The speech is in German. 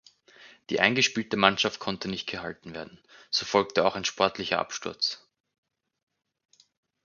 Die eingespielte Mannschaft konnte nicht gehalten werden; so folgte auch ein sportlicher Absturz.